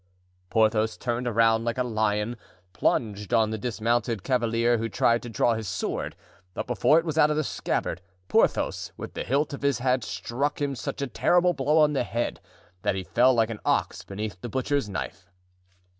Porthos turned around like a lion, plunged on the dismounted cavalier, who tried to draw his sword; but before it was out of the scabbard, Porthos, with the hilt of his had struck him such a terrible blow on the head that he fell like an ox beneath the butcher's knife.